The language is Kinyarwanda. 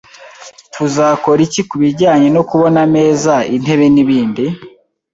Tuzakora iki kubijyanye no kubona ameza, intebe nibindi?